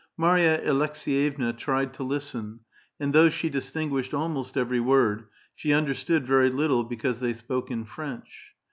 Marya Aleks6yevna tried to listen, and, though she distinguished almost every word, she understood very little, because they spoke in French.